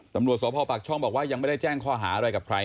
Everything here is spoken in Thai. ตำรวจสพปากช่องบอกว่ายังไม่ได้แจ้งข้อหาอะไรกับใคร